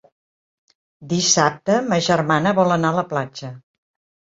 Dissabte ma germana vol anar a la platja.